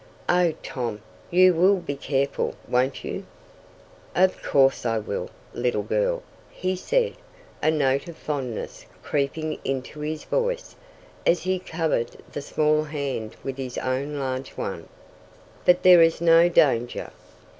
"Oh, Tom, you will be careful, won't you?" "Of course I will, little girl," he said, a note of fondness creeping into his voice, as he covered the small hand with his own large one. "But there is no danger."